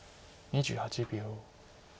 ２８秒。